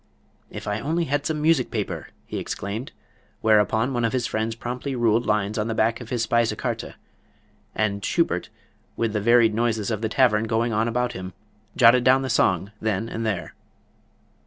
"If I only had some music paper!" he exclaimed, whereupon one of his friends promptly ruled lines on the back of his Speise Karte, and Schubert, with the varied noises of the tavern going on about him, jotted down the song then and there.